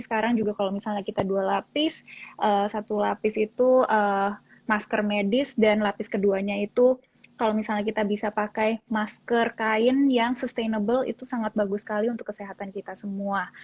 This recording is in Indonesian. sekarang juga kalau misalnya kita dua lapis satu lapis itu masker medis dan lapis keduanya itu kalau misalnya kita bisa pakai masker kain yang sustainable itu sangat bagus sekali untuk kesehatan kita semua